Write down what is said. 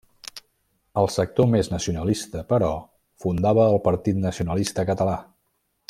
El sector més nacionalista, però, fundava el Partit Nacionalista Català.